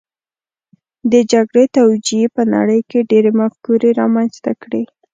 د جګړې توجیې په نړۍ کې ډېرې مفکورې رامنځته کړې